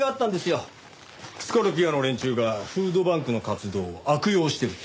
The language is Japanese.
スコルピオの連中がフードバンクの活動を悪用してるって。